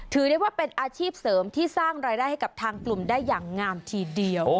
ถือได้ว่าเป็นอาชีพเสริมที่สร้างรายได้ให้กับทางกลุ่มได้อย่างงามทีเดียว